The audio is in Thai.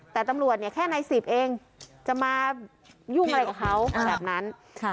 แต่ตำรวจเนี่ยแค่ใน๑๐เองจะมายุ่งอะไรกับเขาแบบนั้น